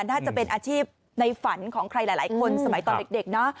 น่าจะเป็นอาชีพในฝันของใครหลายคนสมัยตอนเด็กเนอะ